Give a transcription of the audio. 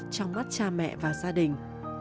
trong mắt cha mẹ và gia đình